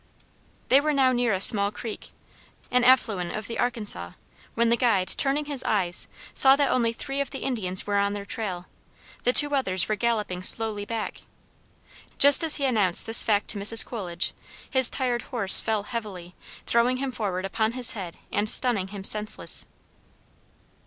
They were now near a small creek, an affluent of the Arkansas, when the guide, turning his eyes, saw that only three of the Indians were on their trail, the two others were galloping slowly back. Just as he announced this fact to Mrs. Coolidge, his tired horse fell heavily, throwing him forward upon his head and stunning him senseless.